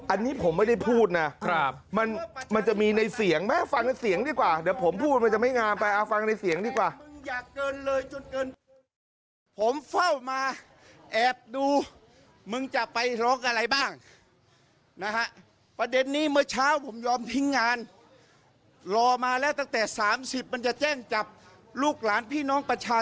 อันนี้ผมไม่ได้พูดนะมันจะมีในเสียงไหมฟังในเสียงดีกว่าเดี๋ยวผมพูดมันจะไม่งามไปเอาฟังในเสียงดีกว่า